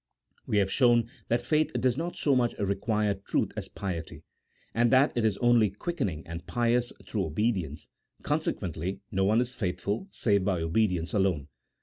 We have shown that faith does not so much re quire truth as piety, and that it is only quickening and pious through obedience, consequently no one is faithful save by obedience alone.